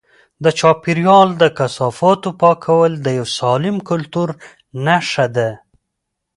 د چاپیریال د کثافاتو پاکول د یو سالم کلتور نښه ده.